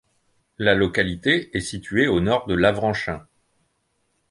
La localité est située au nord de l'Avranchin.